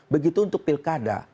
begitu untuk pilkada